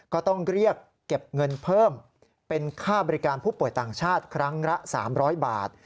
ก็ต้องเรียกเก็บเงินเพิ่มเป็นค่าบริการผู้ป่วยต่างชาติครั้งละ๓๐๐บาท